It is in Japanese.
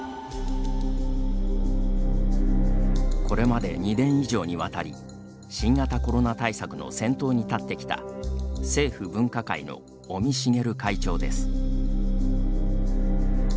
これまで２年以上にわたり新型コロナ対策の先頭に立ってきた政府分科会の尾身茂会長です。